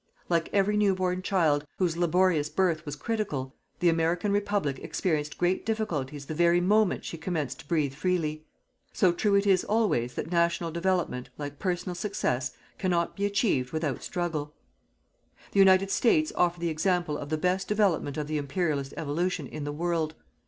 Like every new born child, whose laborious birth was critical, the American Republic experienced great difficulties the very moment she commenced to breathe freely. So true it is always that national development, like personal success, cannot be achieved without struggle. The United States offer the example of the best development of the Imperialist evolution in the world.